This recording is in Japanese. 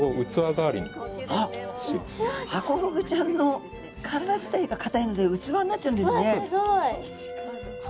ハコフグちゃんの体自体がかたいので器になっちゃうんですね。